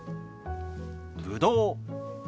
ぶどう。